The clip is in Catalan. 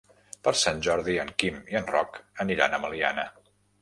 Per Sant Jordi en Quim i en Roc aniran a Meliana.